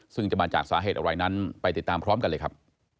ซึ่งจะมาจากสาเหตุอะไรนั้นไปติดตามพร้อมกันเลยครับ